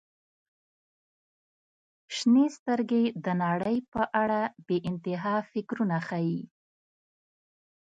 • شنې سترګې د نړۍ په اړه بې انتها فکرونه ښیي.